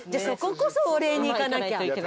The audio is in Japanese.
そここそお礼に行かなきゃ。